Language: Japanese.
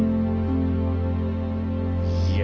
いや。